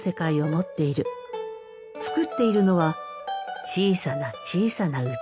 作っているのは小さな小さな器。